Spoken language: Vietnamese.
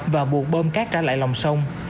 và buộc bôm cát trả lại lòng sông